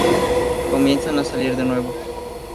Comienzan a salir de nuevo.